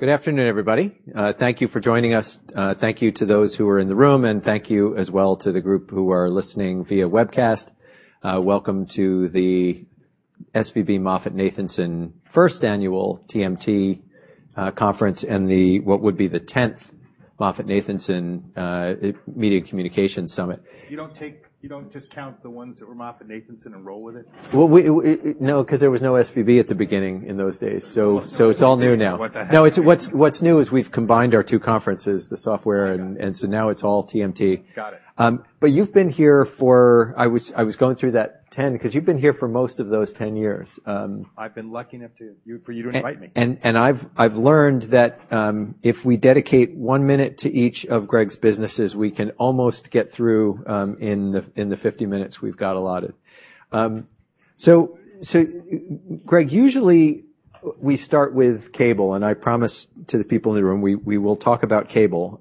Good afternoon, everybody. Thank you for joining us. Thank you to those who are in the room, and thank you as well to the group who are listening via webcast. Welcome to the SVB MoffettNathanson first annual TMT conference and what would be the 10th MoffettNathanson Media Communications Summit. You don't just count the ones that were MoffettNathanson enroll with it? Well, No, 'cause there was no SVB at the beginning in those days. Well, so- It's all new now. What the heck? No, what's new is we've combined our two conferences, the software and so now it's all TMT. Got it. You've been here for, I was going through that 10 because you've been here for most of those 10 years. I've been lucky enough to you, for you to invite me. I've learned that if we dedicate one minute to each of Greg's businesses, we can almost get through in the 50 minutes we've got allotted. Greg, usually we start with cable, and I promise to the people in the room, we will talk about cable.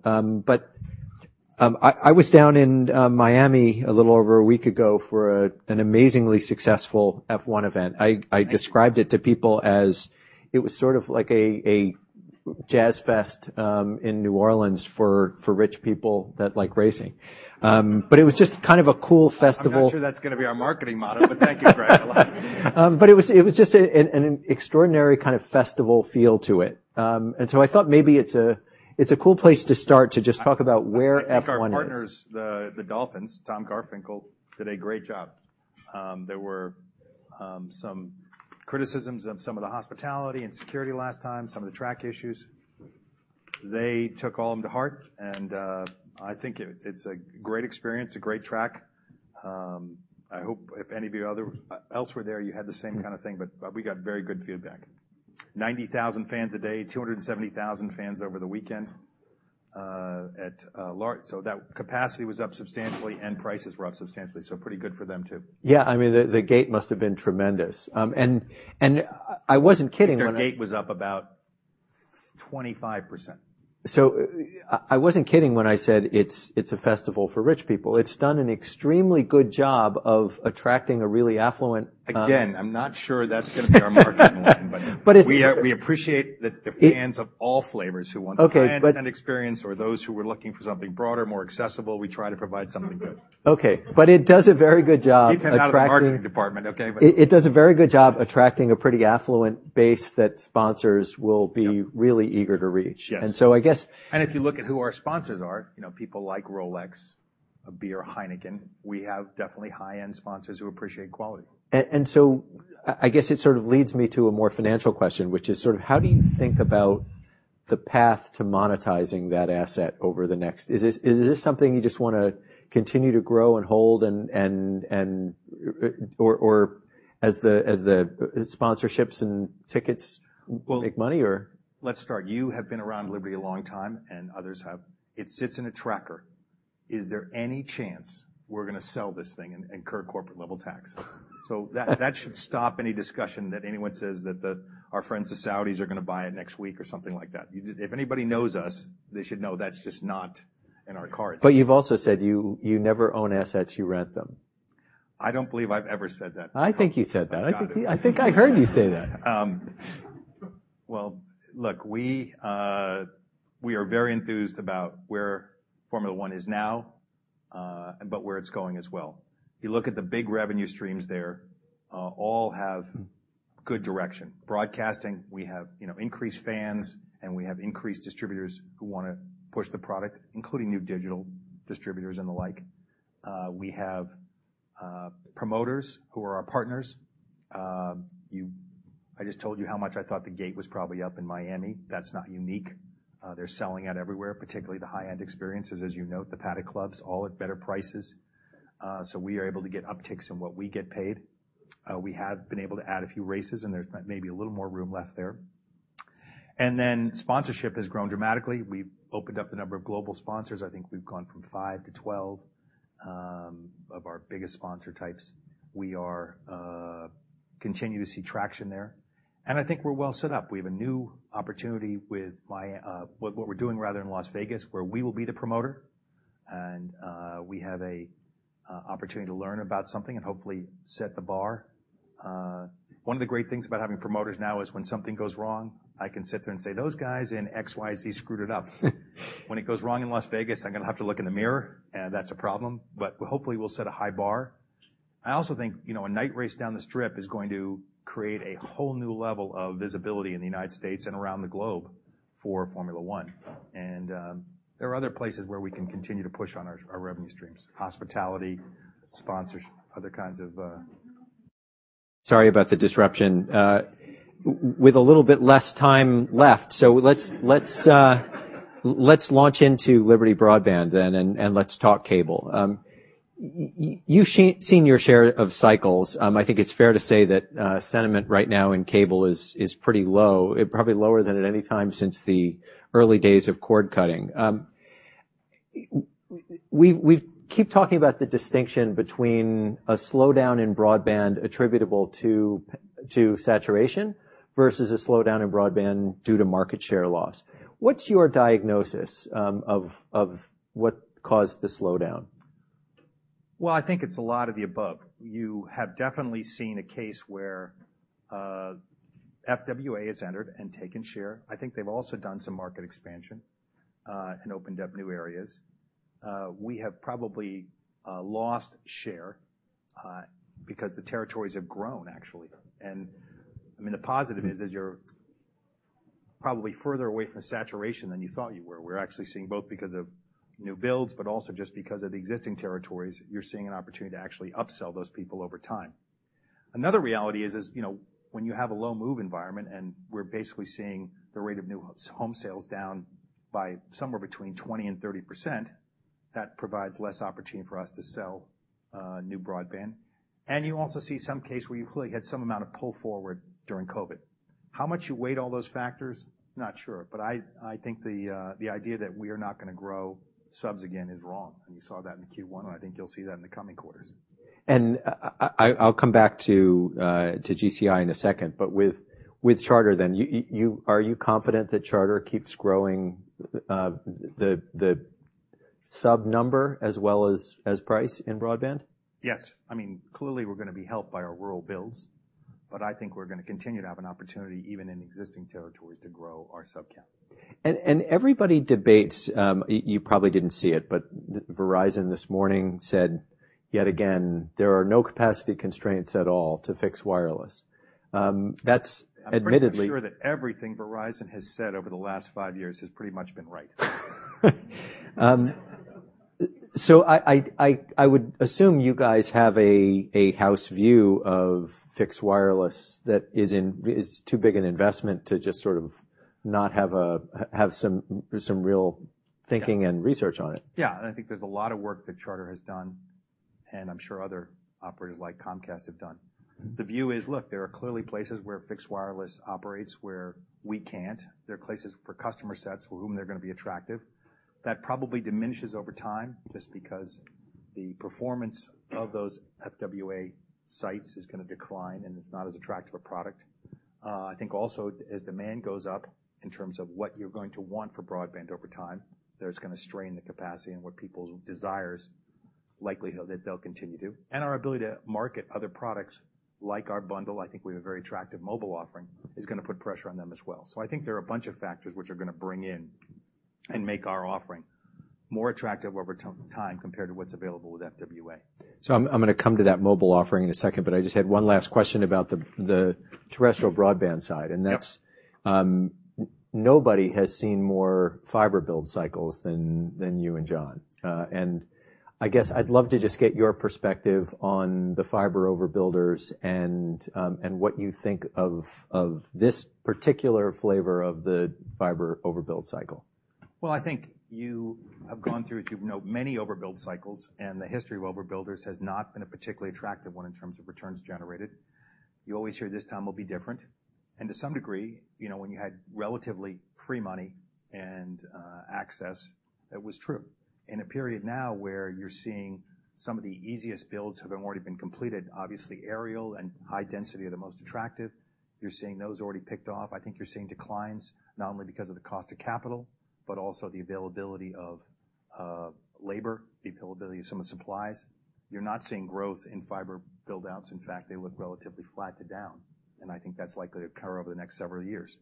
I was down in Miami a little over a week ago for an amazingly successful F1 event. I described it to people as it was sort of like a jazz fest in New Orleans for rich people that like racing. It was just kind of a cool festival. I'm not sure that's gonna be our marketing motto, but thank you, Craig. I like it. it was just an extraordinary kind of festival feel to it. I thought maybe it's a cool place to start to just talk about where F1 is. I think our partners, the Dolphins, Tom Garfinkel, did a great job. There were some criticisms of some of the hospitality and security last time, some of the track issues. They took all them to heart. I think it's a great experience, a great track. I hope if any of you other elsewhere there you had the same kind of thing, but we got very good feedback. 90,000 fans a day, 270,000 fans over the weekend, so that capacity was up substantially and prices were up substantially, so pretty good for them too. Yeah, I mean, the gate must have been tremendous. Their gate was up about 25%. I wasn't kidding when I said it's a festival for rich people. It's done an extremely good job of attracting a really affluent. Again, I'm not sure that's gonna be our marketing line. But it's- We appreciate the fans of all flavors who want the grand event experience or those who are looking for something broader, more accessible. We try to provide something good. Okay. It does a very good job. He came out of the marketing department, okay. It does a very good job attracting a pretty affluent base that sponsors. Yep. Really eager to reach. Yes. And so I guess- If you look at who our sponsors are, you know, people like Rolex, a beer, Heineken. We have definitely high-end sponsors who appreciate quality. I guess it sort of leads me to a more financial question, which is sort of how do you think about the path to monetizing that asset over the next? Is this something you just wanna continue to grow and hold and? Or as the sponsorships and tickets make money or? Well, let's start. You have been around Liberty a long time, and others have. It sits in a tracker. Is there any chance we're gonna sell this thing and incur corporate level tax? That should stop any discussion that anyone says that our friends, the Saudis, are gonna buy it next week or something like that. You just. If anybody knows us, they should know that's just not in our cards. You've also said you never own assets, you rent them. I don't believe I've ever said that. I think you said that. I doubt it. I think I heard you say that. Well, look, we are very enthused about where Formula 1 is now and about where it's going as well. You look at the big revenue streams there, all have good direction. Broadcasting, we have, you know, increased fans, and we have increased distributors who wanna push the product, including new digital distributors and the like. We have promoters who are our partners. I just told you how much I thought the gate was probably up in Miami. That's not unique. They're selling out everywhere, particularly the high-end experiences. As you note, the Paddock Club, all at better prices. So we are able to get upticks in what we get paid. We have been able to add a few races, and there's maybe a little more room left there. Sponsorship has grown dramatically. We've opened up the number of global sponsors. I think we've gone from five to 12 of our biggest sponsor types. We are continue to see traction there. I think we're well set up. We have a new opportunity with what we're doing rather in Las Vegas, where we will be the promoter. We have a opportunity to learn about something and hopefully set the bar. One of the great things about having promoters now is when something goes wrong, I can sit there and say, "Those guys in XYZ screwed it up." When it goes wrong in Las Vegas, I'm gonna have to look in the mirror, and that's a problem. Hopefully we'll set a high bar. I also think, you know, a night race down the strip is going to create a whole new level of visibility in the United States and around the globe for Formula 1. There are other places where we can continue to push on our revenue streams, hospitality, sponsorship, other kinds of. Sorry about the disruption. With a little bit less time left, let's launch into Liberty Broadband and let's talk cable. You've seen your share of cycles. I think it's fair to say that sentiment right now in cable is pretty low. It probably lower than at any time since the early days of cord cutting. We've keep talking about the distinction between a slowdown in broadband attributable to saturation versus a slowdown in broadband due to market share loss. What's your diagnosis of what caused the slowdown? Well, I think it's a lot of the above. You have definitely seen a case where FWA has entered and taken share. I think they've also done some market expansion and opened up new areas. We have probably lost share because the territories have grown actually. I mean, the positive is you're probably further away from the saturation than you thought you were. We're actually seeing both because of new builds, but also just because of the existing territories, you're seeing an opportunity to actually upsell those people over time. Another reality is, you know, when you have a low move environment, and we're basically seeing the rate of new home sales down by somewhere between 20% and 30%, that provides less opportunity for us to sell new broadband. You also see some case where you clearly had some amount of pull forward during COVID. How much you weight all those factors? Not sure, but I think the idea that we are not gonna grow subs again is wrong. You saw that in Q1, and I think you'll see that in the coming quarters. I'll come back to GCI in a second. With Charter then, you are you confident that Charter keeps growing the sub number as well as price in broadband? Yes. I mean, clearly we're going to be helped by our rural builds, I think we're going to continue to have an opportunity, even in existing territories to grow our sub count. Everybody debates, you probably didn't see it, but Verizon this morning said, yet again, there are no capacity constraints at all to fix wireless. I'm pretty sure that everything Verizon has said over the last five years has pretty much been right. I would assume you guys have a house view of fixed wireless that is too big an investment to just sort of not have some real thinking and research on it. Yeah. I think there's a lot of work that Charter has done, and I'm sure other operators like Comcast have done. The view is, look, there are clearly places where fixed wireless operates where we can't. There are places for customer sets for whom they're gonna be attractive. That probably diminishes over time just because the performance of those FWA sites is gonna decline, and it's not as attractive a product. I think also as demand goes up in terms of what you're going to want for broadband over time, that's gonna strain the capacity and what people's desires likelihood that they'll continue to. Our ability to market other products like our bundle, I think we have a very attractive mobile offering, is gonna put pressure on them as well. I think there are a bunch of factors which are gonna bring in and make our offering more attractive over time compared to what's available with FWA. I'm gonna come to that mobile offering in a second, but I just had one last question about the terrestrial broadband side. Yeah. That's, nobody has seen more fiber build cycles than you and John. I guess I'd love to just get your perspective on the fiber overbuilders and what you think of this particular flavor of the fiber overbuild cycle. Well, I think you have gone through, as you know, many overbuild cycles. The history of overbuilders has not been a particularly attractive one in terms of returns generated. You always hear this time will be different. To some degree, you know, when you had relatively free money and access, that was true. In a period now where you're seeing some of the easiest builds have already been completed. Obviously, aerial and high density are the most attractive. You're seeing those already picked off. I think you're seeing declines not only because of the cost of capital, but also the availability of labor, the availability of some of the supplies. You're not seeing growth in fiber build outs. In fact, they look relatively flat to down. I think that's likely to occur over the next several years.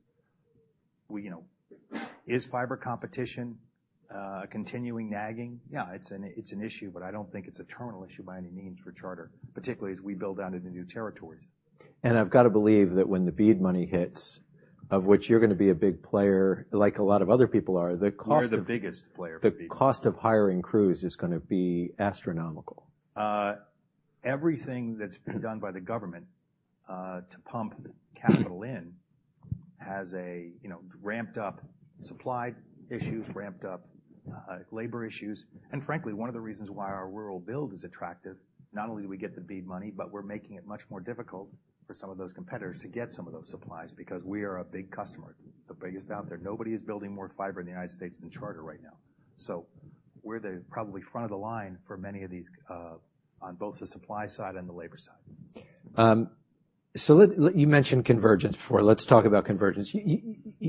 We, you know, is fiber competition, continuing nagging? Yeah, it's an issue, but I don't think it's a terminal issue by any means for Charter, particularly as we build out into new territories. I've got to believe that when the BEAD money hits, of which you're gonna be a big player, like a lot of other people are. We're the biggest player for BEAD. The cost of hiring crews is gonna be astronomical. Everything that's been done by the government to pump capital in has ramped up supply issues, ramped up labor issues. Frankly, one of the reasons why our rural build is attractive, not only do we get the BEAD money, but we're making it much more difficult for some of those competitors to get some of those supplies because we are a big customer, the biggest out there. Nobody is building more fiber in the United States than Charter right now. We're the probably front of the line for many of these on both the supply side and the labor side. You mentioned convergence before. Let's talk about convergence.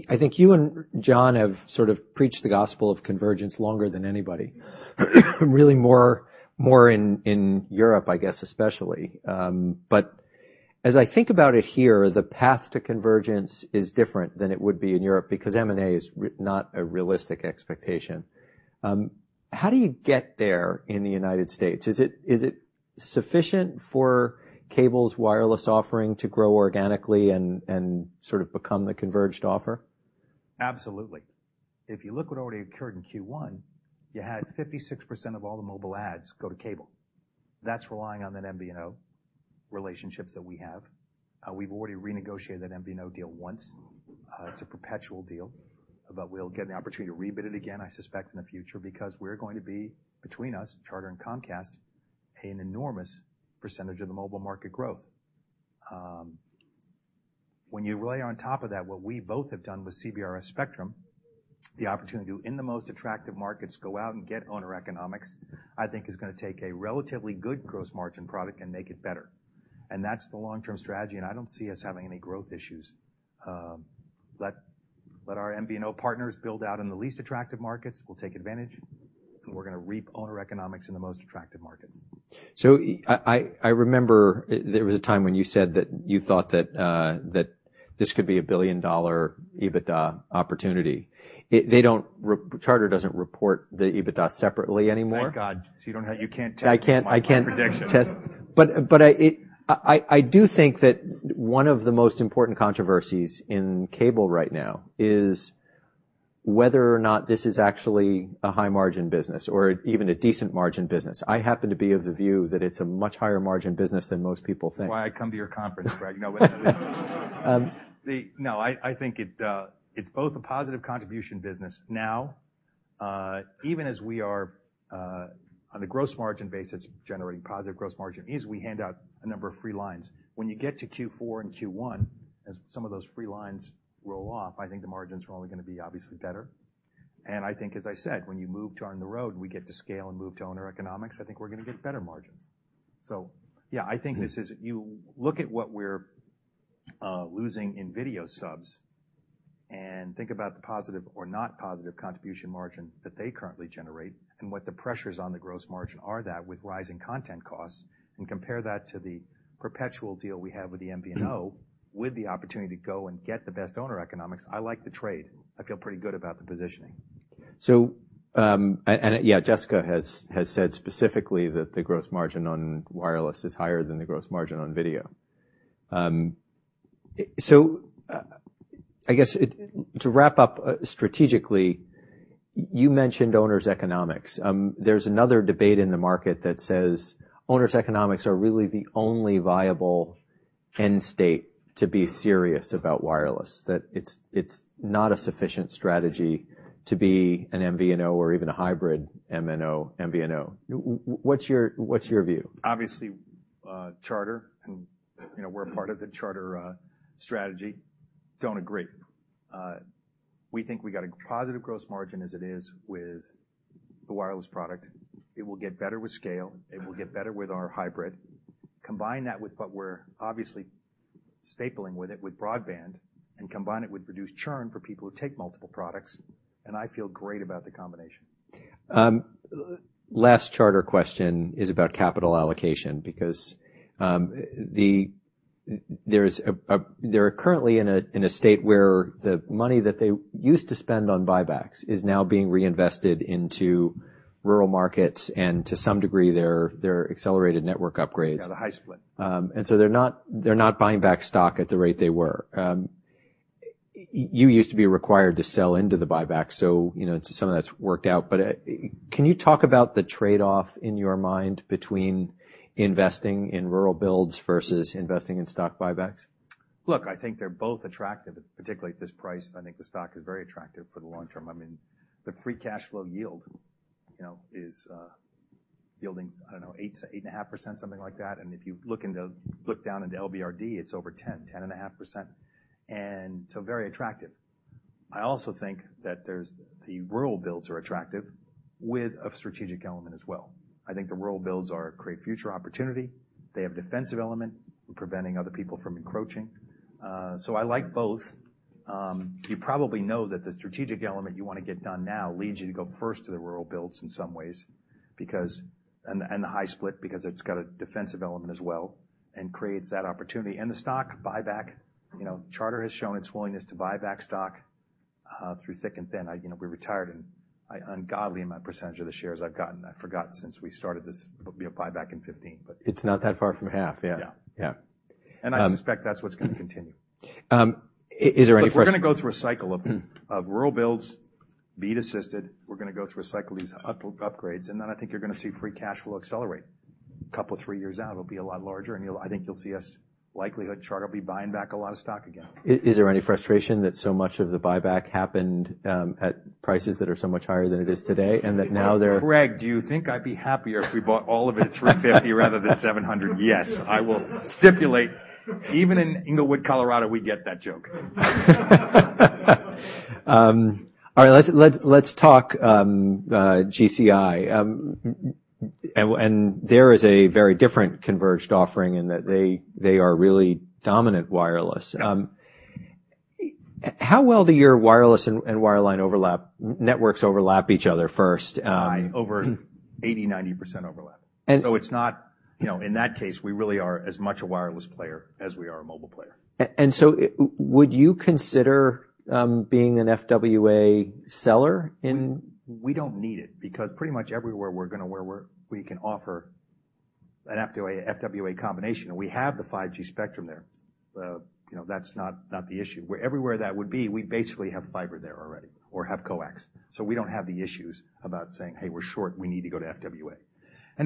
I think you and John have sort of preached the gospel of convergence longer than anybody. Really more in Europe, I guess, especially. As I think about it here, the path to convergence is different than it would be in Europe because M&A is not a realistic expectation. How do you get there in the United States? Is it sufficient for cable's wireless offering to grow organically and sort of become the converged offer? Absolutely. If you look what already occurred in Q1, you had 56% of all the mobile ads go to cable. That's relying on that MVNO relationships that we have. We've already renegotiated that MVNO deal once. It's a perpetual deal, but we'll get an opportunity to rebid it again, I suspect, in the future because we're going to be, between us, Charter and Comcast, pay an enormous percentage of the mobile market growth. When you lay on top of that what we both have done with CBRS spectrum, the opportunity to, in the most attractive markets, go out and get owner economics, I think is gonna take a relatively good gross margin product and make it better. That's the long-term strategy, and I don't see us having any growth issues. Let our MVNO partners build out in the least attractive markets. We'll take advantage, and we're gonna reap owner economics in the most attractive markets. I remember there was a time when you said that you thought that this could be a billion-dollar EBITDA opportunity. Charter doesn't report the EBITDA separately anymore. Thank God. You can't test my prediction. I can't test. I do think that one of the most important controversies in cable right now is whether or not this is actually a high margin business or even a decent margin business. I happen to be of the view that it's a much higher margin business than most people think. That's why I come to your conference, Craig. No, no. Um. No, I think it's both a positive contribution business now, even as we are, on the gross margin basis, generating positive gross margin is we hand out a number of free lines. When you get to Q4 and Q1, as some of those free lines roll off, I think the margin's probably gonna be obviously better. I think, as I said, when you move to on the road, we get to scale and move to owner economics, I think we're gonna get better margins. Yeah, I think this is... You look at what we're losing in video subs and think about the positive or not positive contribution margin that they currently generate and what the pressures on the gross margin are that with rising content costs, and compare that to the perpetual deal we have with the MVNO, with the opportunity to go and get the best owner economics. I like the trade. I feel pretty good about the positioning. Yeah, Jessica has said specifically that the gross margin on wireless is higher than the gross margin on video. I guess to wrap up strategically, you mentioned owner's economics. There's another debate in the market that says owners economics are really the only viable end state to be serious about wireless, that it's not a sufficient strategy to be an MVNO or even a hybrid MNO, MVNO. What's your view? Obviously, Charter, and, you know, we're a part of the Charter strategy, don't agree. We think we got a positive gross margin as it is with the wireless product. It will get better with scale. It will get better with our hybrid. Combine that with what we're obviously stapling with it with broadband and combine it with reduced churn for people who take multiple products. I feel great about the combination. Last Charter question is about capital allocation because they're currently in a state where the money that they used to spend on buybacks is now being reinvested into rural markets and to some degree, their accelerated network upgrades. Yeah, the high-split. They're not buying back stock at the rate they were. You used to be required to sell into the buyback, so you know, to some of that's worked out. Can you talk about the trade-off in your mind between investing in rural builds versus investing in stock buybacks? Look, I think they're both attractive, particularly at this price. I think the stock is very attractive for the long term. I mean, the free cash flow yield, you know, is yielding, I don't know, 8%-8.5%, something like that. If you look down into LBRD, it's over 10%-10.5%. Very attractive. I also think that there's the rural builds are attractive with a strategic element as well. I think the rural builds are a great future opportunity. They have defensive element in preventing other people from encroaching. I like both. You probably know that the strategic element you wanna get done now leads you to go first to the rural builds in some ways because... The high-split because it's got a defensive element as well and creates that opportunity. The stock buyback, you know, Charter has shown its willingness to buy back stock through thick and thin. I, you know, we retired an ungodly amount percentage of the shares I've gotten. I forgot since we started this. It'll be a buyback in 15, but. It's not that far from half. Yeah. Yeah. Yeah. I suspect that's what's gonna continue. Is there any frust-? Look, we're gonna go through a cycle of rural builds, BEAD assisted. We're gonna go through a cycle of these upgrades, I think you're gonna see free cash flow accelerate. Two, three years out, it'll be a lot larger, I think you'll see us, likelihood, Charter will be buying back a lot of stock again. Is there any frustration that so much of the buyback happened at prices that are so much higher than it is today? Craig, do you think I'd be happier if we bought all of it at $350 rather than $700? Yes. I will stipulate, even in Englewood, Colorado, we get that joke. All right. Let's talk GCI. There is a very different converged offering in that they are really dominant wireless. How well do your wireless and wireline networks overlap each other first? Over 80%-90% overlap. And- It's not, you know, in that case, we really are as much a wireless player as we are a mobile player. Would you consider being an FWA seller? We don't need it because pretty much everywhere where we can offer an FWA combination, and we have the 5G spectrum there. You know, that's not the issue. Everywhere that would be, we basically have fiber there already or have coax. We don't have the issues about saying, "Hey, we're short. We need to go to FWA."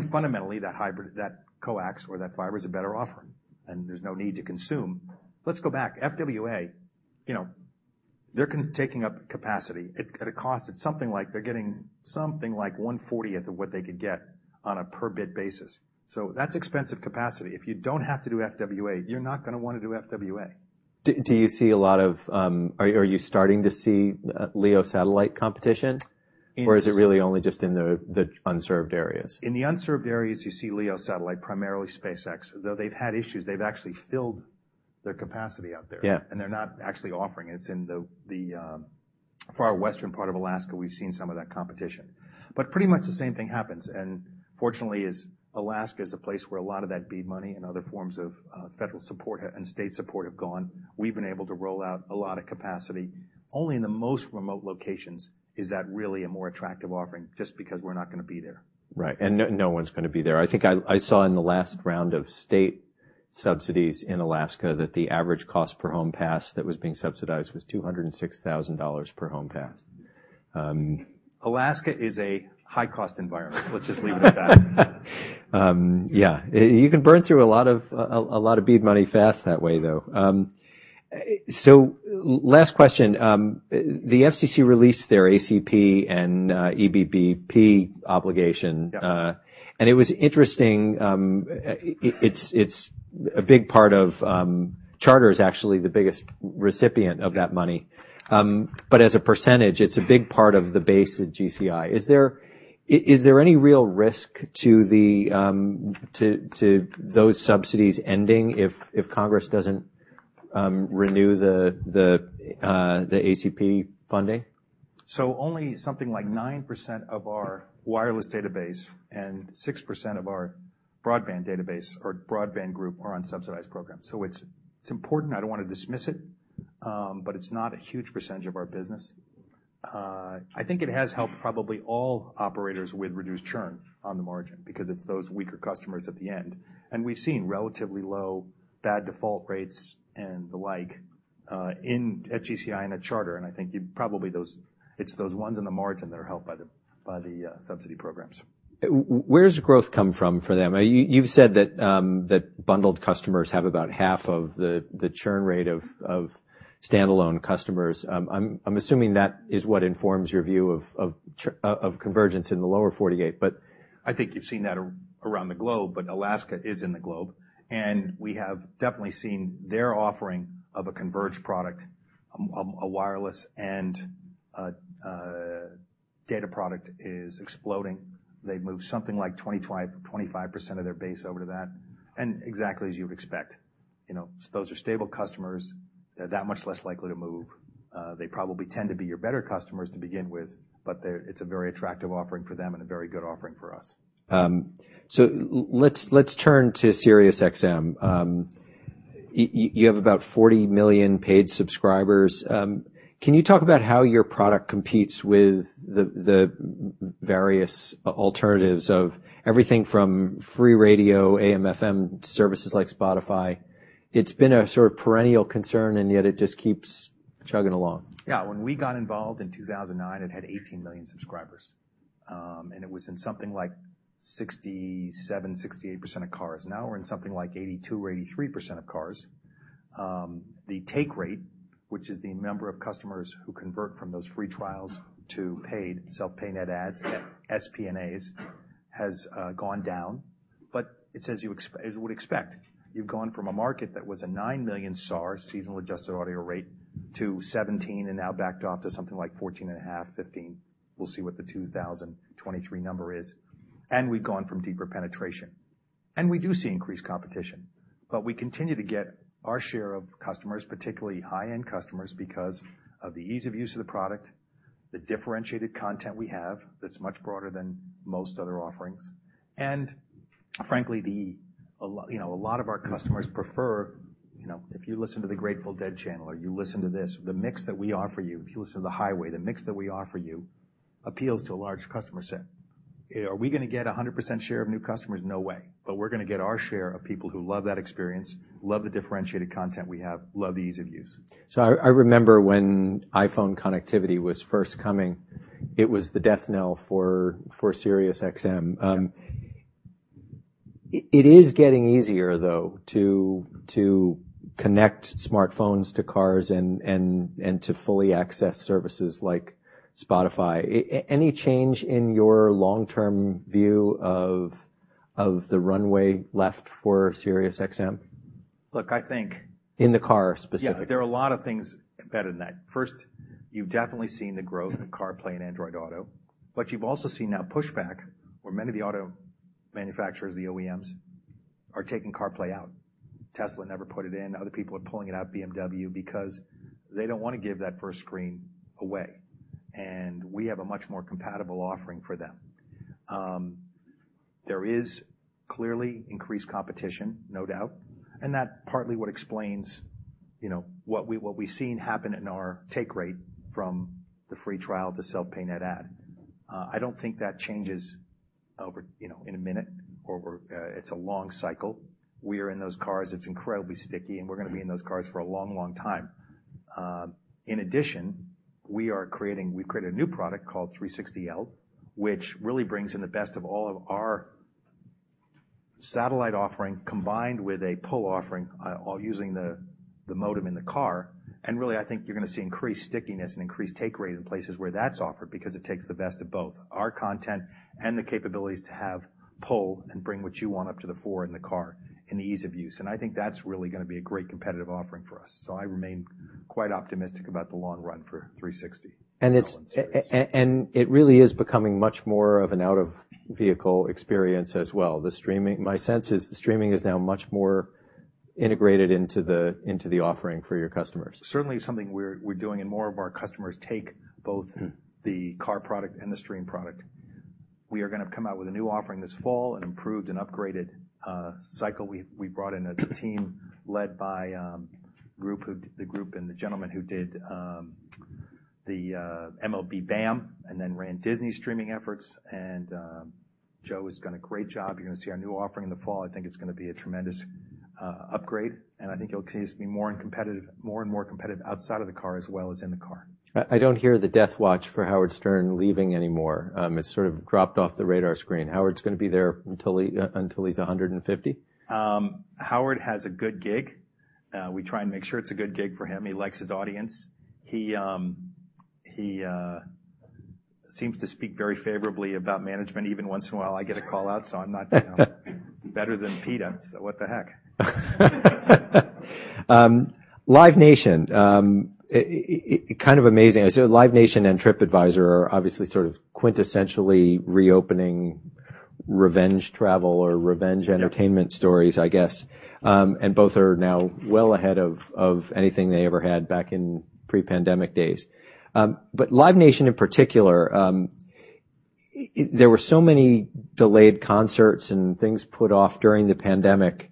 Fundamentally, that hybrid, that coax or that fiber is a better offering, and there's no need to consume. Let's go back. FWA, you know, they're taking up capacity. At a cost, it's something like they're getting something like one-fortieth of what they could get on a per bit basis. That's expensive capacity. If you don't have to do FWA, you're not gonna wanna do FWA. Are you starting to see LEO satellite competition? Is it really only just in the unserved areas? In the unserved areas, you see LEO satellite, primarily SpaceX. Though they've had issues, they've actually filled their capacity out there. Yeah. They're not actually offering. It's in the far western part of Alaska, we've seen some of that competition. Pretty much the same thing happens, and fortunately is Alaska is a place where a lot of that BEAD money and other forms of, federal support and state support have gone. We've been able to roll out a lot of capacity. Only in the most remote locations is that really a more attractive offering, just because we're not gonna be there. Right. No, no one's gonna be there. I think I saw in the last round of state subsidies in Alaska that the average cost per home pass that was being subsidized was $206,000 per home pass. Alaska is a high-cost environment. Let's just leave it at that. Yeah. You can burn through a lot of BEAD money fast that way, though. Last question. The FCC released their ACP and EBBP obligation. Yeah. It was interesting, it's a big part of, Charter is actually the biggest recipient of that money. As a percentage, it's a big part of the base at GCI. Is there any real risk to the, to those subsidies ending if Congress doesn't renew the ACP funding? Only something like 9% of our wireless database and 6% of our broadband database or broadband group are on subsidized programs. It's, it's important, I don't wanna dismiss it, but it's not a huge percentage of our business. I think it has helped probably all operators with reduced churn on the margin, because it's those weaker customers at the end. We've seen relatively low bad default rates and the like, in, at GCI and at Charter, and I think you'd probably. It's those ones in the margin that are helped by the, by the subsidy programs. Where's growth come from for them? you've said that bundled customers have about half of the churn rate of standalone customers. I'm assuming that is what informs your view of convergence in the lower 48. I think you've seen that around the globe, but Alaska is in the globe. We have definitely seen their offering of a converged product, a wireless and a data product is exploding. They've moved something like 25% of their base over to that, and exactly as you would expect. You know, those are stable customers. They're that much less likely to move. They probably tend to be your better customers to begin with, but it's a very attractive offering for them and a very good offering for us. Let's turn to SiriusXM. You have about 40 million paid subscribers. Can you talk about how your product competes with the various alternatives of everything from free radio, AM/FM services like Spotify? It's been a sort of perennial concern, and yet it just keeps chugging along. When we got involved in 2009, it had 18 million subscribers. It was in something like 67%-68% of cars. Now we're in something like 82% or 83% of cars. The take rate, which is the number of customers who convert from those free trials to paid, self-pay net adds, SPNAs, has gone down, it's as you would expect. You've gone from a market that was a 9 million SAAR, Seasonally Adjusted Annualized Rate, to 17 and now backed off to something like 14.5, 15. We'll see what the 2023 number is. We've gone from deeper penetration. We do see increased competition, but we continue to get our share of customers, particularly high-end customers, because of the ease of use of the product, the differentiated content we have that's much broader than most other offerings. Frankly, the, you know, a lot of our customers prefer, you know, if you listen to the Grateful Dead Channel or you listen to this, the mix that we offer you. If you listen to The Highway, the mix that we offer you appeals to a large customer set. Are we gonna get 100% share of new customers? No way. We're gonna get our share of people who love that experience, love the differentiated content we have, love the ease of use. I remember when iPhone connectivity was first coming, it was the death knell for SiriusXM. It is getting easier though to connect smartphones to cars and to fully access services like Spotify. Any change in your long-term view of the runway left for SiriusXM? Look, I think, In the car specifically. Yeah. There are a lot of things embedded in that. First, you've definitely seen the growth in CarPlay and Android Auto, but you've also seen now pushback, where many of the auto manufacturers, the OEMs, are taking CarPlay out. Tesla never put it in. Other people are pulling it out, BMW, because they don't wanna give that first screen away. We have a much more compatible offering for them. There is clearly increased competition, no doubt, and that partly what explains, you know, what we, what we've seen happen in our take rate from the free trial to self-pay net ad. I don't think that changes over, you know, in a minute or we're. It's a long cycle. We are in those cars, it's incredibly sticky, and we're gonna be in those cars for a long, long time. In addition, we are creating, we've created a new product called 360L, which really brings in the best of all of our satellite offering combined with a pull offering, all using the modem in the car, and really, I think you're gonna see increased stickiness and increased take rate in places where that's offered because it takes the best of both, our content and the capabilities to have pull and bring what you want up to the fore in the car and the ease of use. I think that's really gonna be a great competitive offering for us. I remain quite optimistic about the long run for 360. It really is becoming much more of an out-of-vehicle experience as well. My sense is the streaming is now much more integrated into the offering for your customers. Certainly something we're doing and more of our customers take both. Mm. the car product and the stream product. We are gonna come out with a new offering this fall, an improved and upgraded cycle. We brought in a team led by the group and the gentleman who did the MLBAM. Ran Disney streaming efforts. Joe has done a great job. You're gonna see our new offering in the fall. I think it's gonna be a tremendous upgrade, and I think it'll continue to be more and more competitive outside of the car as well as in the car. I don't hear the death watch for Howard Stern leaving anymore. It sort of dropped off the radar screen. Howard's gonna be there until he's 150? Howard has a good gig. We try and make sure it's a good gig for him. He likes his audience. He, he seems to speak very favorably about management even once in a while. I get a call-out. I'm not, you know. Better than PETA, what the heck? Live Nation. It kind of amazing. Live Nation and Tripadvisor are obviously sort of quintessentially reopening revenge travel or revenge entertainment stories, I guess. Both are now well ahead of anything they ever had back in pre-pandemic days. Live Nation in particular, there were so many delayed concerts and things put off during the pandemic.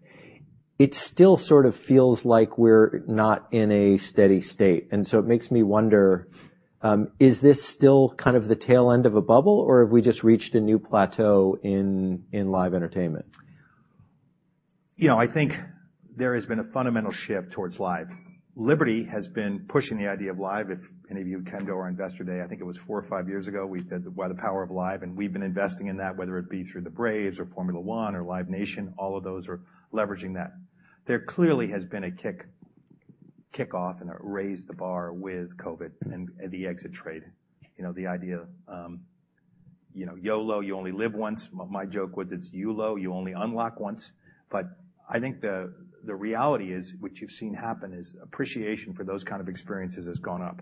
It still sort of feels like we're not in a steady state. It makes me wonder, is this still kind of the tail end of a bubble, or have we just reached a new plateau in live entertainment? You know, I think there has been a fundamental shift towards live. Liberty has been pushing the idea of live. If any of you can go to our Investor Day, I think it was four or five years ago, we said by the power of live, We've been investing in that, whether it be through the Braves or Formula 1 or Live Nation, all of those are leveraging that. There clearly has been a kick-off and a raise the bar with COVID and the exit trade. You know, the idea, you know, YOLO, you only live once. My joke was, it's YULO, you only unlock once. I think the reality is, what you've seen happen is appreciation for those kind of experiences has gone up.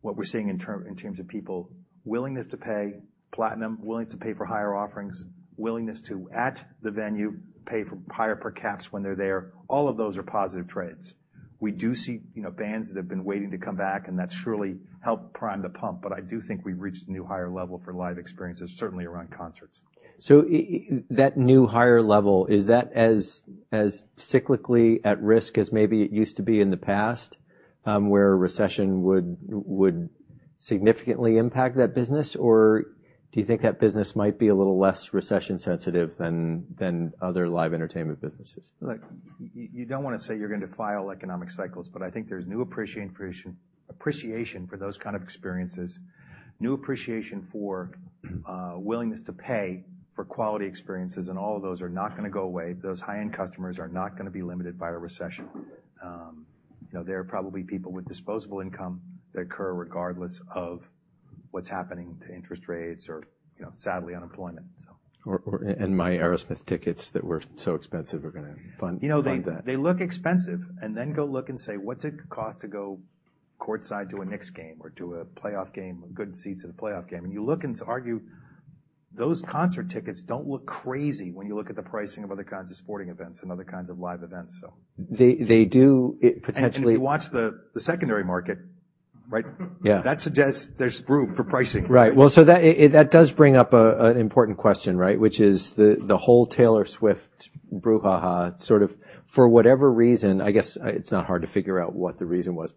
What we're seeing in terms of people willingness to pay, platinum, willingness to pay for higher offerings, willingness to, at the venue, pay for higher per caps when they're there, all of those are positive trades. We do see, you know, bands that have been waiting to come back. That's surely helped prime the pump. I do think we've reached a new higher level for live experiences, certainly around concerts. That new higher level, is that as cyclically at risk as maybe it used to be in the past, where a recession would significantly impact that business? Or do you think that business might be a little less recession-sensitive than other live entertainment businesses? Look, you don't wanna say you're gonna defy all economic cycles, but I think there's new appreciation for those kind of experiences, new appreciation for willingness to pay for quality experiences. All of those are not gonna go away. Those high-end customers are not gonna be limited by a recession. You know, they are probably people with disposable income that occur regardless of what's happening to interest rates or, you know, sadly, unemployment. My Aerosmith tickets that were so expensive are gonna fund that. You know, they look expensive and then go look and say, "What's it cost to go courtside to a Knicks game or to a playoff game, or good seats at a playoff game?" You look and argue, those concert tickets don't look crazy when you look at the pricing of other kinds of sporting events and other kinds of live events, so. They do potentially. If you watch the secondary market, right? Yeah. That suggests there's room for pricing. Right. Well, that does bring up an important question, right? Which is the whole Taylor Swift brouhaha sort of, for whatever reason, I guess it's not hard to figure out what the reason was.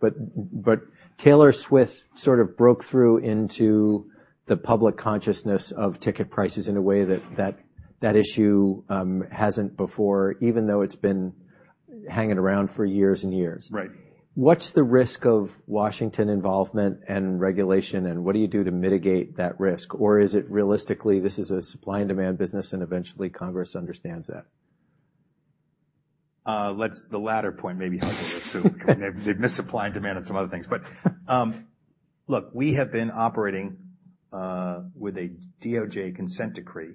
Taylor Swift sort of broke through into the public consciousness of ticket prices in a way that issue hasn't before, even though it's been hanging around for years and years. Right. What's the risk of Washington involvement and regulation, and what do you do to mitigate that risk? Or is it realistically this is a supply and demand business and eventually Congress understands that? The latter point maybe how to assume. They miss supply and demand on some other things. Look, we have been operating with a DOJ consent decree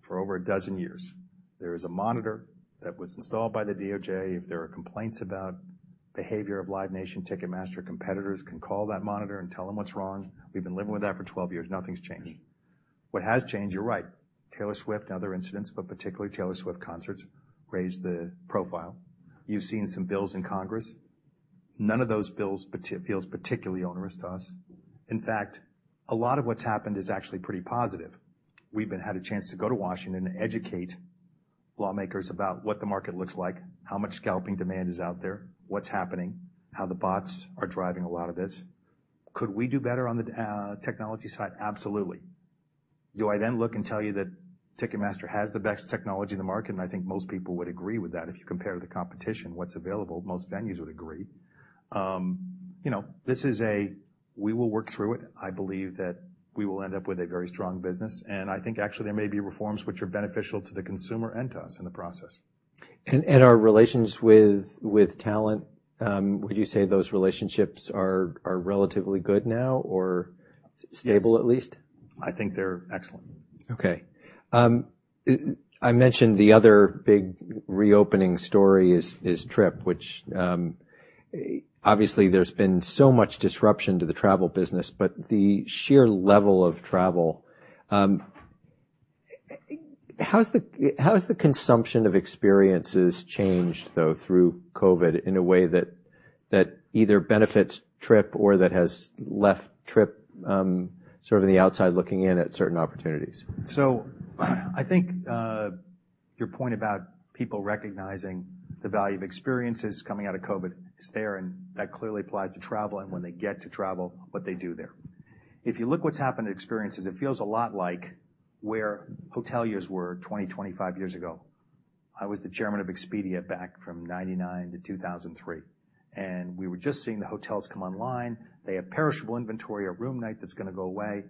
for over a dozen years. There is a monitor that was installed by the DOJ. If there are complaints about behavior of Live Nation, Ticketmaster competitors can call that monitor and tell them what's wrong. We've been living with that for 12 years. Nothing's changed. What has changed, you're right. Taylor Swift and other incidents, but particularly Taylor Swift concerts raised the profile. You've seen some bills in Congress. None of those bills feels particularly onerous to us. In fact, a lot of what's happened is actually pretty positive. had a chance to go to Washington and educate lawmakers about what the market looks like, how much scalping demand is out there, what's happening, how the bots are driving a lot of this. Could we do better on the technology side? Absolutely. Do I then look and tell you that Ticketmaster has the best technology in the market? I think most people would agree with that if you compare to the competition, what's available, most venues would agree. You know, we will work through it. I believe that we will end up with a very strong business, I think actually there may be reforms which are beneficial to the consumer and to us in the process. Our relations with talent, would you say those relationships are relatively good now or- Yes. stable, at least? I think they're excellent. Okay. I mentioned the other big reopening story is Trip, which, obviously there's been so much disruption to the travel business, but the sheer level of travel, how's the consumption of experiences changed, though, through COVID in a way that either benefits Trip or that has left Trip, sort of in the outside looking in at certain opportunities? I think your point about people recognizing the value of experiences coming out of COVID is there, that clearly applies to travel and when they get to travel, what they do there. If you look what's happened to experiences, it feels a lot like where hoteliers were 20 years-25 years ago. I was the chairman of Expedia back from 1999 to 2003, we were just seeing the hotels come online. They have perishable inventory, a room night that's gonna go away.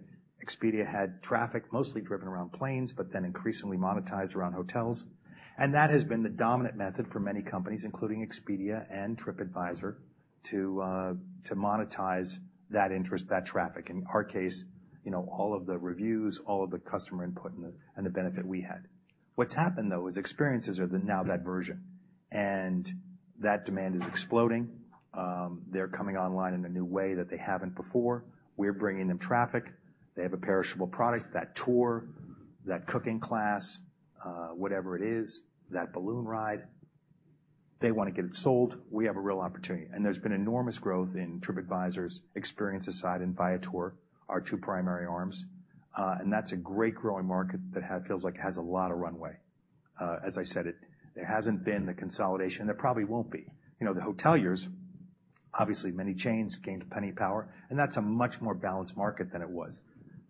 Expedia had traffic mostly driven around planes, increasingly monetized around hotels. That has been the dominant method for many companies, including Expedia and Tripadvisor, to monetize that interest, that traffic. In our case, you know, all of the reviews, all of the customer input and the benefit we had. What's happened, though, is experiences are now that version, and that demand is exploding. They're coming online in a new way that they haven't before. We're bringing them traffic. They have a perishable product, that tour, that cooking class, whatever it is, that balloon ride. They wanna get it sold. We have a real opportunity. There's been enormous growth in Tripadvisor's experiences side and Viator, our two primary arms. That's a great growing market that feels like has a lot of runway. As I said, it hasn't been the consolidation. There probably won't be. You know, the hoteliers, obviously many chains gained penny power, and that's a much more balanced market than it was.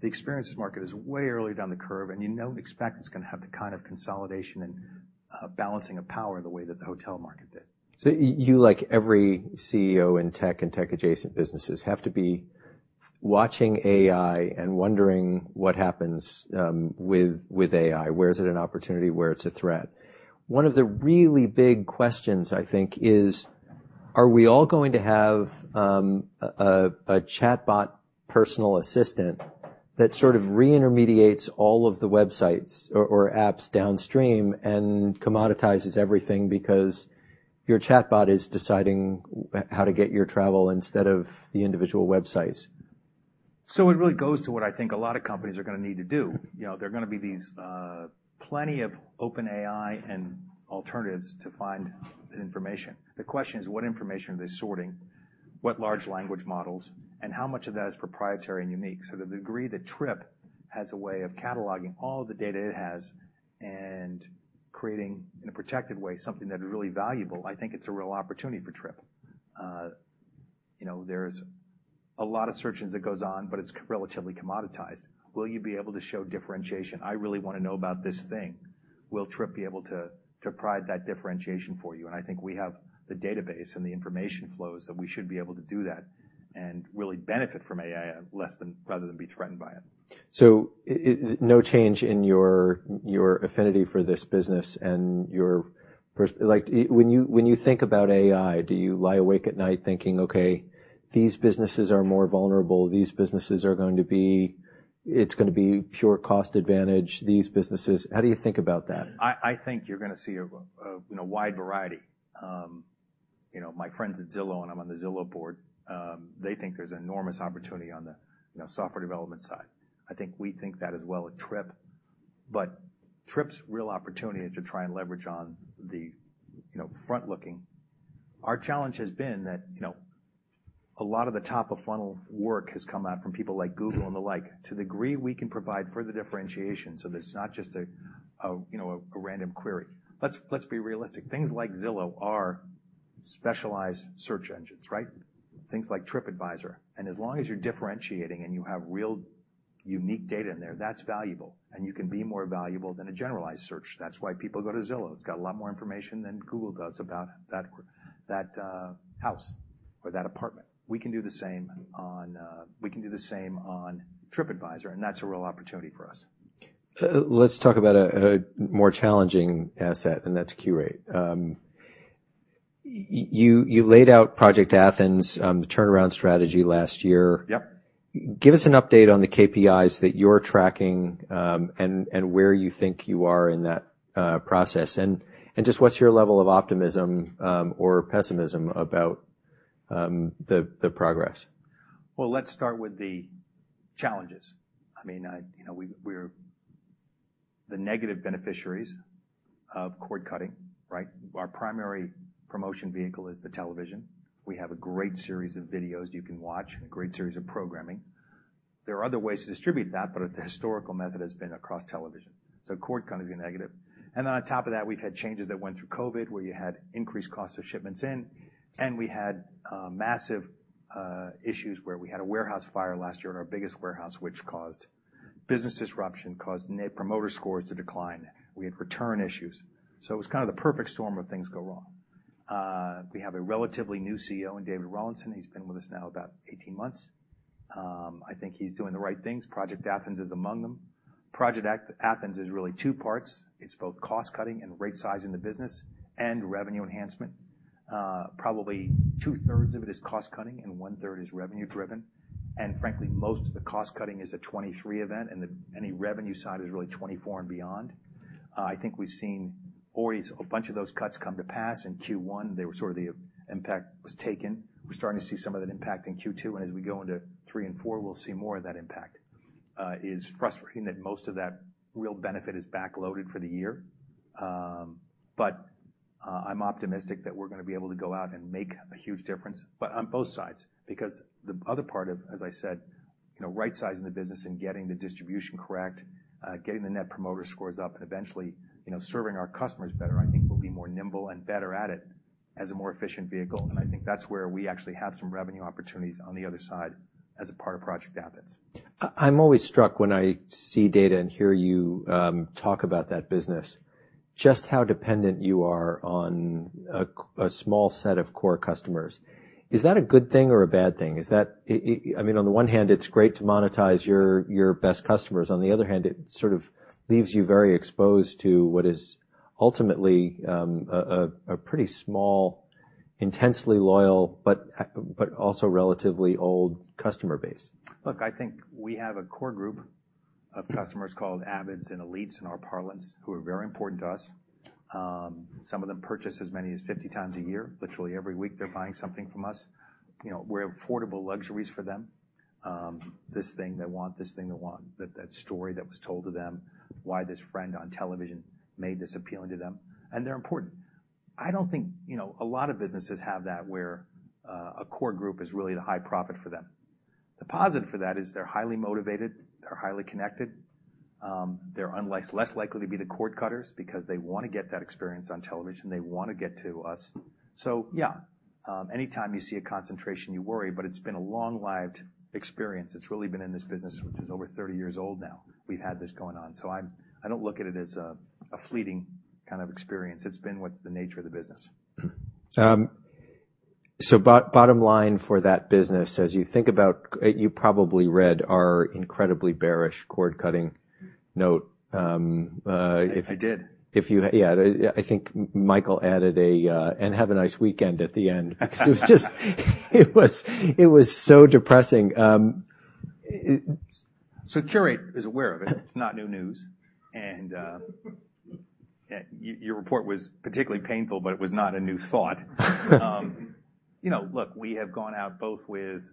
The experience market is way early down the curve, and you don't expect it's gonna have the kind of consolidation and balancing of power the way that the hotel market did. You, like every CEO in tech and tech-adjacent businesses, have to be watching AI and wondering what happens with AI. Where is it an opportunity? Where it's a threat? One of the really big questions, I think, is, are we all going to have a chatbot personal assistant that sort of re-intermediates all of the websites or apps downstream and commoditizes everything because your chatbot is deciding how to get your travel instead of the individual websites? It really goes to what I think a lot of companies are gonna need to do. You know, there are gonna be these, plenty of OpenAI and alternatives to find information. The question is, what information are they sorting? What large language models, and how much of that is proprietary and unique? The degree that Trip has a way of cataloging all the data it has and creating, in a protected way, something that is really valuable, I think it's a real opportunity for Trip. You know, there's a lot of searching that goes on, but it's relatively commoditized. Will you be able to show differentiation? I really wanna know about this thing. Will Trip be able to provide that differentiation for you? I think we have the database and the information flows that we should be able to do that and really benefit from AI rather than be threatened by it. no change in your affinity for this business and your Like, when you think about AI, do you lie awake at night thinking, "Okay, these businesses are more vulnerable. These businesses are going to be. It's gonna be pure cost advantage. These businesses." How do you think about that? I think you're gonna see a, you know, wide variety. You know, my friends at Zillow, and I'm on the Zillow board, they think there's enormous opportunity on the, you know, software development side. I think we think that as well at Trip, but Trip's real opportunity is to try and leverage on the, you know, front-looking. Our challenge has been that, you know, a lot of the top-of-funnel work has come out from people like Google and the like. To the degree we can provide further differentiation so that it's not just a, you know, a random query. Let's be realistic. Things like Zillow are specialized search engines, right? Things like TripAdvisor. As long as you're differentiating and you have real unique data in there, that's valuable, and you can be more valuable than a generalized search. That's why people go to Zillow. It's got a lot more information than Google does about that house or that apartment. We can do the same on TripAdvisor, and that's a real opportunity for us. Let's talk about a more challenging asset. That's Qurate. You laid out Project Athens, the turnaround strategy last year. Yep. Give us an update on the KPIs that you're tracking, and where you think you are in that process. Just what's your level of optimism, or pessimism about, the progress? Well, let's start with the challenges. I mean, I, you know, we're the negative beneficiaries of cord cutting, right? Our primary promotion vehicle is the television. We have a great series of videos you can watch, a great series of programming. There are other ways to distribute that, but the historical method has been across television. Cord cutting's a negative. On top of that, we've had changes that went through COVID, where you had increased cost of shipments in, and we had massive issues where we had a warehouse fire last year at our biggest warehouse. Business disruption caused Net Promoter Score to decline. We had return issues. It was kind of the perfect storm of things go wrong. We have a relatively new CEO in David Rawlinson. He's been with us now about 18 months. I think he's doing the right things. Project Athens is among them. Project Athens is really two parts. It's both cost cutting and right-sizing the business and revenue enhancement. Probably 2/3 of it is cost cutting and 1/3 is revenue driven. Frankly, most of the cost cutting is a 2023 event, any revenue side is really 2024 and beyond. I think we've seen already a bunch of those cuts come to pass. In Q1, they were sort of the impact was taken. We're starting to see some of that impact in Q2, as we go into Q3 and Q4, we'll see more of that impact. It is frustrating that most of that real benefit is backloaded for the year. I'm optimistic that we're gonna be able to go out and make a huge difference, but on both sides. Because the other part of, as I said, you know, right-sizing the business and getting the distribution correct, getting the Net Promoter Scores up and eventually, you know, serving our customers better, I think we'll be more nimble and better at it as a more efficient vehicle. I think that's where we actually have some revenue opportunities on the other side as a part of Project Athens. I'm always struck when I see data and hear you talk about that business, just how dependent you are on a small set of core customers. Is that a good thing or a bad thing? Is that, I mean, on the one hand, it's great to monetize your best customers. On the other hand, it sort of leaves you very exposed to what is ultimately a pretty small, intensely loyal, but also relatively old customer base. Look, I think we have a core group of customers called avids and elites in our parlance, who are very important to us. Some of them purchase as many as 50x a year. Literally every week, they're buying something from us. You know, we're affordable luxuries for them. This thing they want, that story that was told to them, why this friend on television made this appealing to them. They're important. I don't think, you know, a lot of businesses have that where a core group is really the high profit for them. The positive for that is they're highly motivated. They're highly connected. They're less likely to be the cord cutters because they wanna get that experience on television. They wanna get to us. Yeah, anytime you see a concentration, you worry, but it's been a long-lived experience. It's really been in this business, which is over 30 years old now, we've had this going on. I don't look at it as a fleeting kind of experience. It's been what's the nature of the business. Bottom line for that business, as you think about. You probably read our incredibly bearish cord cutting note. I did. Yeah, I think Michael added a, "And have a nice weekend" at the end because it was so depressing. Qurate is aware of it. It's not new news. Your report was particularly painful, but it was not a new thought. You know, look, we have gone out both with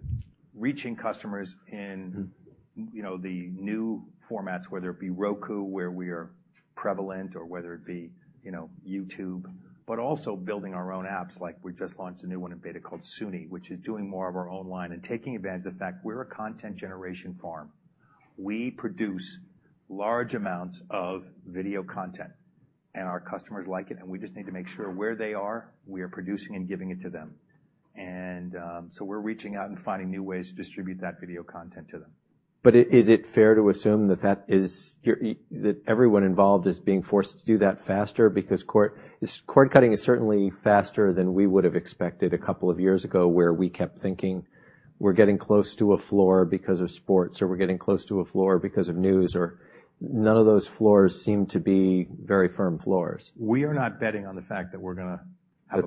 reaching customers in, you know, the new formats, whether it be Roku, where we are prevalent, or whether it be, you know, YouTube, but also building our own apps. Like, we just launched a new one in beta called Sune, which is doing more of our own line and taking advantage of the fact we're a content generation farm. We produce large amounts of video content, and our customers like it, and we just need to make sure where they are, we are producing and giving it to them. We're reaching out and finding new ways to distribute that video content to them. Is it fair to assume that that is, that everyone involved is being forced to do that faster? Cord cutting is certainly faster than we would've expected a couple of years ago, where we kept thinking we're getting close to a floor because of sports, or we're getting close to a floor because of news. None of those floors seem to be very firm floors. We are not betting on the fact that we're gonna have a bottoming out. That there's a floor. Yeah. That's the floor. We're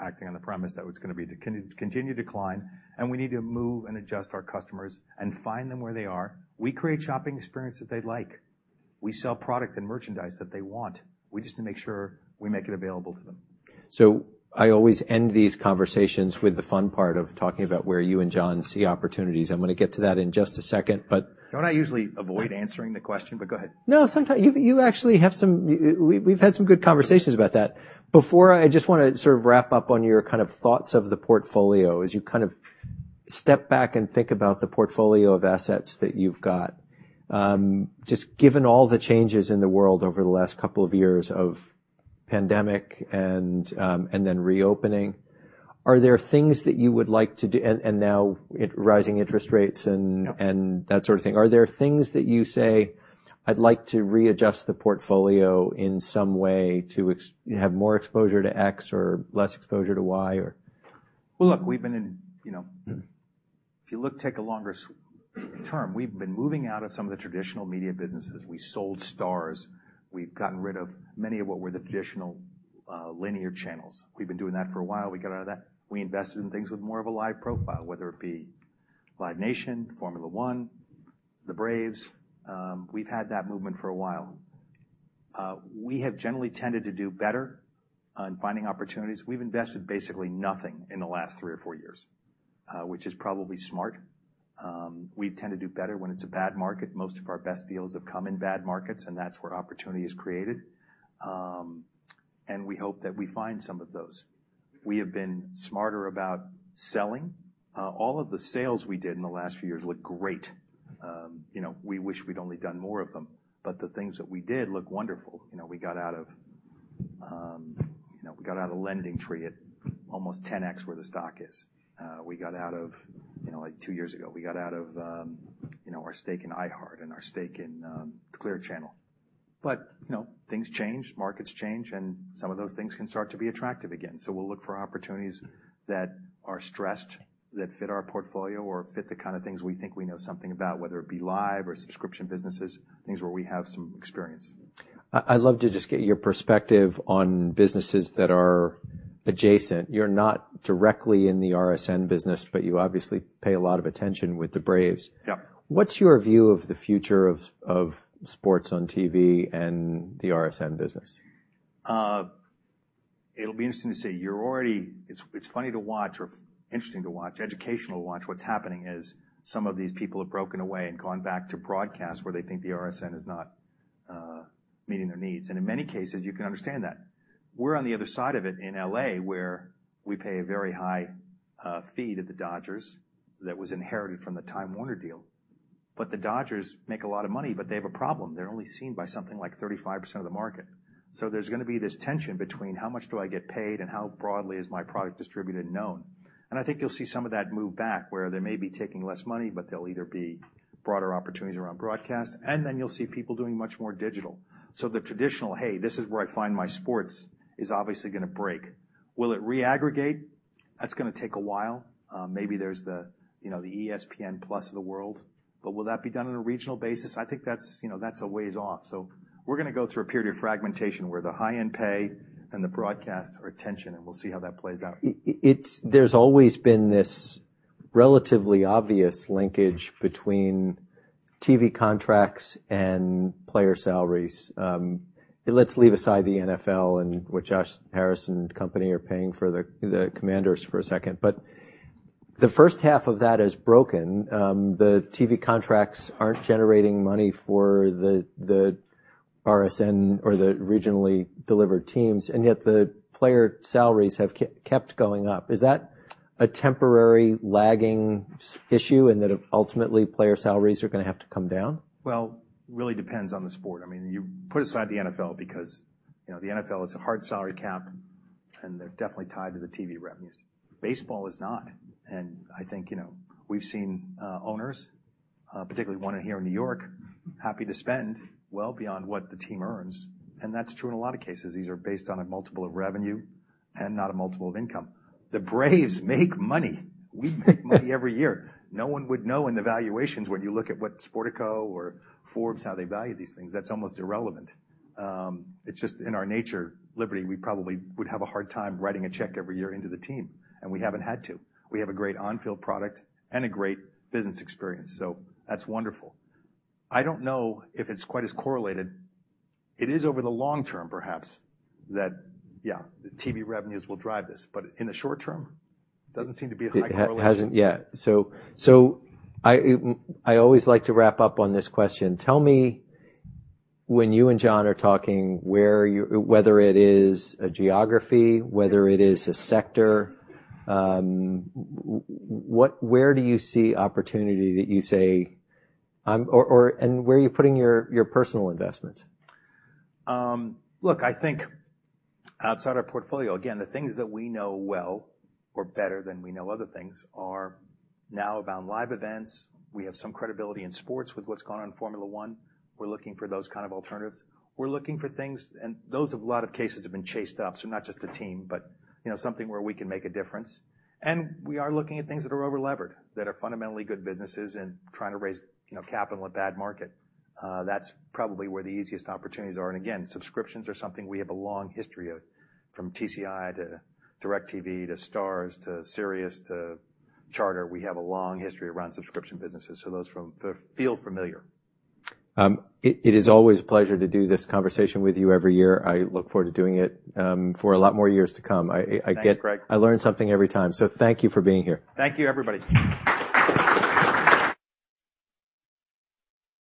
acting on the premise that it's gonna be the continued decline, and we need to move and adjust our customers and find them where they are. We create shopping experiences they like. We sell product and merchandise that they want. We just need to make sure we make it available to them. I always end these conversations with the fun part of talking about where you and John see opportunities. I'm gonna get to that in just a second. Don't I usually avoid answering the question? Go ahead. No, sometimes. You actually have some. We've had some good conversations about that. Before, I just wanna sort of wrap up on your kind of thoughts of the portfolio. As you kind of step back and think about the portfolio of assets that you've got, just given all the changes in the world over the last couple of years of pandemic and then reopening, are there things that you would like to do? Now rising interest rates. Yep. That sort of thing. Are there things that you say, "I'd like to readjust the portfolio in some way to have more exposure to X or less exposure to Y, or. Look, we've been in, you know, If you look, take a longer term, we've been moving out of some of the traditional media businesses. We sold Starz. We've gotten rid of many of what were the traditional, linear channels. We've been doing that for a while. We got out of that. We invested in things with more of a live profile, whether it be Live Nation, Formula 1, the Braves. We've had that movement for a while. We have generally tended to do better on finding opportunities. We've invested basically nothing in the last three or four years, which is probably smart. We tend to do better when it's a bad market. Most of our best deals have come in bad markets, and that's where opportunity is created. We hope that we find some of those. We have been smarter about selling. All of the sales we did in the last few years look great. You know, we wish we'd only done more of them, but the things that we did look wonderful. You know, we got out of LendingTree at almost 10x where the stock is. We got out of, you know, like two years ago, we got out of, you know, our stake in iHeart and our stake in Clear Channel. You know, things change, markets change, and some of those things can start to be attractive again. We'll look for opportunities that are stressed, that fit our portfolio or fit the kind of things we think we know something about, whether it be live or subscription businesses, things where we have some experience. I'd love to just get your perspective on businesses that are adjacent. You're not directly in the RSN business, but you obviously pay a lot of attention with the Braves. Yeah. What's your view of the future of sports on TV and the RSN business? It'll be interesting to see. It's funny to watch, interesting to watch, educational to watch. What's happening is some of these people have broken away and gone back to broadcast where they think the RSN is not meeting their needs. In many cases, you can understand that. We're on the other side of it in L.A., where we pay a very high fee to the Dodgers that was inherited from the Time Warner deal. The Dodgers make a lot of money, but they have a problem. They're only seen by something like 35% of the market. There's gonna be this tension between how much do I get paid and how broadly is my product distributed and known. I think you'll see some of that move back where they may be taking less money, but they'll either be broader opportunities around broadcast, and then you'll see people doing much more digital. The traditional, "Hey, this is where I find my sports," is obviously gonna break. Will it re-aggregate? That's gonna take a while. Maybe there's the, you know, the ESPN+ of the world. Will that be done on a regional basis? I think that's, you know, that's a ways off. We're gonna go through a period of fragmentation where the high-end pay and the broadcast are tension, and we'll see how that plays out. It's always been this relatively obvious linkage between TV contracts and player salaries. Let's leave aside the NFL and what Josh Harris and company are paying for the Commanders for a second. The first half of that is broken. The TV contracts aren't generating money for the RSN or the regionally delivered teams, and yet the player salaries have kept going up. Is that a temporary lagging issue, and that ultimately, player salaries are gonna have to come down? Well, really depends on the sport. I mean, you put aside the NFL because, you know, the NFL has a hard salary cap, and they're definitely tied to the TV revenues. Baseball is not. I think, you know, we've seen owners, particularly one in here in New York, happy to spend well beyond what the team earns, and that's true in a lot of cases. These are based on a multiple of revenue and not a multiple of income. The Braves make money. We make money every year. No one would know in the valuations when you look at what Sportico or Forbes, how they value these things. That's almost irrelevant. It's just in our nature. Liberty, we probably would have a hard time writing a check every year into the team, and we haven't had to. We have a great on-field product and a great business experience, that's wonderful. I don't know if it's quite as correlated. It is over the long term, perhaps, that, yeah, the TV revenues will drive this. In the short term, doesn't seem to be a high correlation. It hasn't yet. I always like to wrap up on this question. Tell me when you and John are talking, where whether it is a geography, whether it is a sector, what where do you see opportunity that you say I'm... Or where are you putting your personal investments? Look, I think outside our portfolio, again, the things that we know well or better than we know other things are now about live events. We have some credibility in sports with what's gone on in Formula 1. We're looking for those kind of alternatives. We're looking for things, and those of a lot of cases have been chased up, so not just a team, but you know, something where we can make a difference. We are looking at things that are over-levered, that are fundamentally good businesses and trying to raise, you know, capital in a bad market. That's probably where the easiest opportunities are. Again, subscriptions are something we have a long history of, from TCI to DirecTV to Starz to Sirius to Charter. We have a long history around subscription businesses, so those feel familiar. It is always a pleasure to do this conversation with you every year. I look forward to doing it, for a lot more years to come. Thanks, Greg. I learn something every time. Thank you for being here. Thank you, everybody.